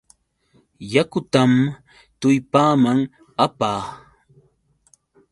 Yakutam tullpaaman apaa.